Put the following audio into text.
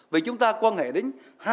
vì chúng ta quan hệ đến